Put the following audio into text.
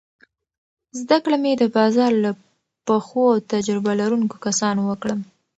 زده کړه مې د بازار له پخو او تجربه لرونکو کسانو وکړه.